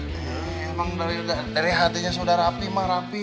emang dari hatinya saudara api mah rapi